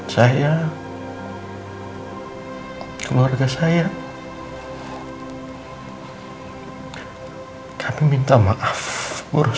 saya keluarga saya kami minta maaf borosah